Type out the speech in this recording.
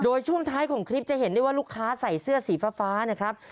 โดยช่วงท้ายของคลิปจะเห็นได้ว่าลูกค้าใส่เสื้อสีฟ้านะครับ